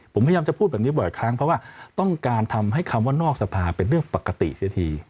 ผมพยายามจะพูดแบบนี้บ่อยครั้งเพราะว่าต้องการทำให้คำว่านอกสภาเป็นเรื่องปกติเสียที